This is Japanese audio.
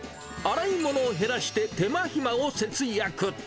洗い物を減らして、手間暇を節約。